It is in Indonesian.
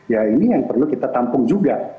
ya ini yang perlu kita tampung juga